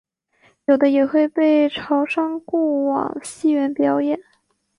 有的也会被潮商雇往戏园表演。